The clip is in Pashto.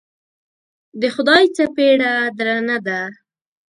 د خدای څپېړه درنه ده.